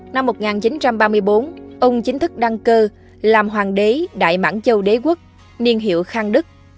năm một nghìn chín trăm ba mươi bốn ông chính thức đăng cơ làm hoàng đế đại mãng châu đế quốc niên hiệu khang đức